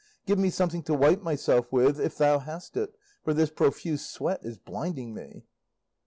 Give me something to wipe myself with, if thou hast it, for this profuse sweat is blinding me."